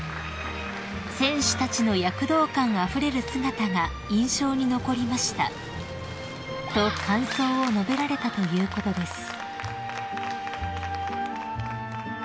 「選手たちの躍動感あふれる姿が印象に残りました」と感想を述べられたということです］